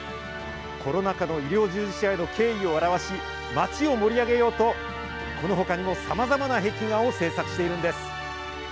コロナ禍の医療従事者への敬意を表し、街を盛り上げようと、このほかにも、さまざまな壁画を制作しているんです。